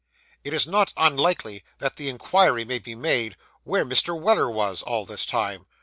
It is not unlikely that the inquiry may be made, where Mr. Weller was, all this time?